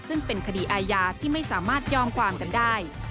ซึ่งเป็นคดีอาญาที่ไม่สามารถยอมความกันได้